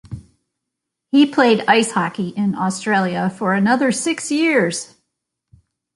He played ice hockey in Australia for another six years.